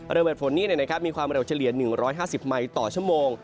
ระเบิดฝนนี้มีความเร็วเฉลี่ย๑๕๐ไมค์ต่อชั่วโมง